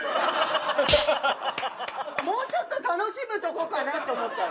もうちょっと楽しむとこかなって思った。